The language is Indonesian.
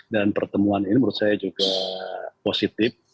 pertemuan ini menurut saya juga positif